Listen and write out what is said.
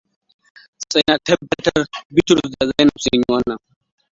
Sai na tabbatar Bitrus da Zainab sun yi wannan.